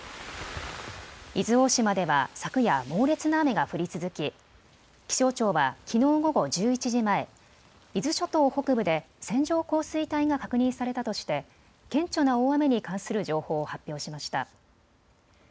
伊豆大島では昨夜、猛烈な雨が降り続き気象庁はきのう午後１１時前、伊豆諸島北部で線状降水帯が確認されたとして顕著な大雨に関する情報を発表しました。